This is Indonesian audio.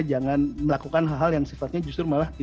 jangan melakukan hal hal yang sifatnya justru malah